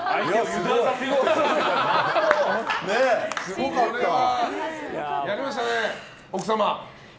これはやりましたね、奥様。